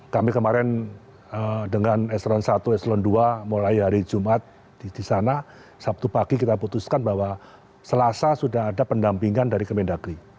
kami kemarin dengan eslan i eslan ii mulai hari jumat di sana sabtu pagi kita putuskan bahwa selasa sudah ada pendampingan dari kementerian negeri